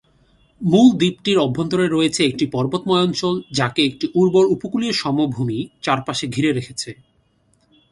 মূল দ্বীপটির অভ্যন্তরে রয়েছে একটি পর্বতময় অঞ্চল, যাকে একটি উর্বর উপকূলীয় সমভূমি চারপাশে ঘিরে রেখেছে।